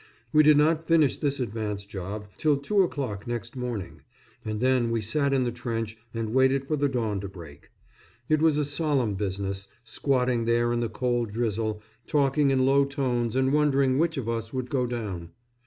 We did not finish this advance job till two o'clock next morning, and then we sat in the trench and waited for the dawn to break. It was a solemn business, squatting there in the cold drizzle, talking in low tones, and wondering which of us would go down.